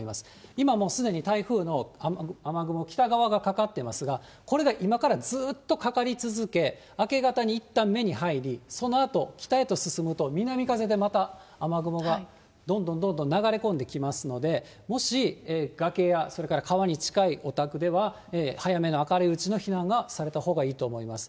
今もうすでに台風の雨雲、北側がかかっていますが、これが今からずっとかかり続け、明け方にいったん目に入り、そのあと、北へと進むと、南風でまた雨雲がどんどんどんどん流れ込んできますので、もし崖や、それから川に近いお宅では、早めの明るいうちの避難をされたほうがいいと思います。